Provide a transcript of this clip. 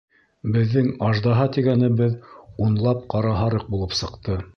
Беҙҙең аждаһа тигәнебеҙ унлап ҡара һарыҡ булып сыҡты.